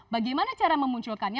bagaimana cara memunculkannya